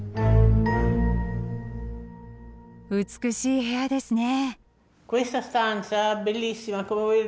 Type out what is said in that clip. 美しい部屋ですね。